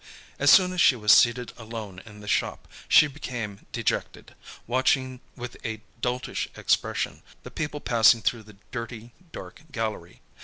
As soon as she was seated alone in the shop, she became dejected, watching with a doltish expression, the people passing through the dirty, dark gallery.